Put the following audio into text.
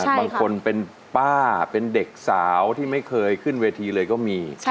บางคนเป็นป้าเป็นเด็กสาวที่ไม่เคยขึ้นเวทีเลยก็มี